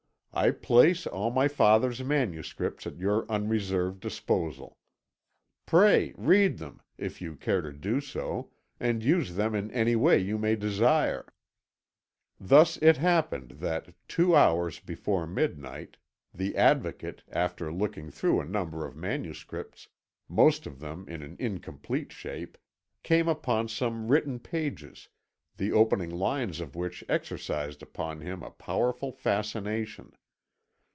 I place all my father's manuscripts at your unreserved disposal. Pray, read them if you care to do so, and use them in any way you may desire." Thus it happened that, two hours before midnight, the Advocate, after looking through a number of manuscripts, most of them in an incomplete shape, came upon some written pages, the opening lines of which exercised upon him a powerful fascination.